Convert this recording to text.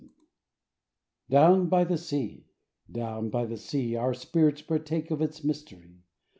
OWN by the sea — down by the sea Our spirits partake of its mystery.